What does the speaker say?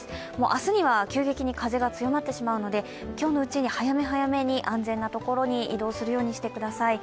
明日には急激に風が強まってしまうので今日のうちに早め早めに安全なところに移動するようにしてください。